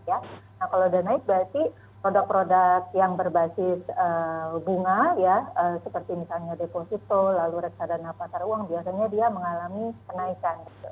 nah kalau sudah naik berarti produk produk yang berbasis bunga ya seperti misalnya deposito lalu reksadana pasar uang biasanya dia mengalami kenaikan